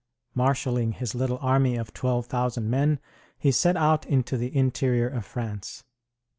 Marshaling his little army of 12,000 men, he set out into the interior of France.